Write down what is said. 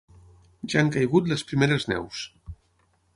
Ja han caigut les primeres neus.